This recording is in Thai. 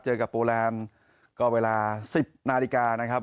เจอกับโปรแลนด์ก็เวลาสิบนาฬิกานะครับ